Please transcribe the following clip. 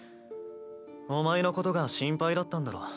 お前のことが心配だったんだろ。